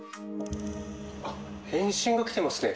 あっ、返信が来てますね。